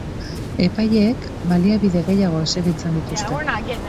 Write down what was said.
Epaileek baliabide gehiago exijitzen dituzte.